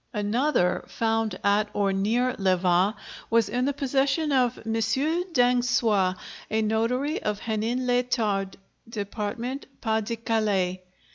Another found at or near Levas was in the possession of M. Dancoise, a notary of Hénin Liétard, dept. Pas de Calais.